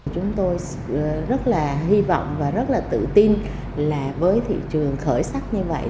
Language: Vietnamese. chúng tôi rất là hy vọng và rất là tự tin là với thị trường khởi sắc như vậy